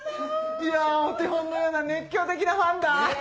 いやお手本のような熱狂的なファンだ。